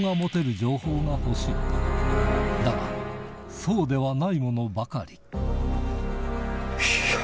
だがそうではないものばかりいや。